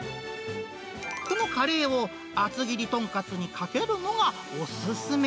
このカレーを厚切り豚カツにかけるのがお勧め。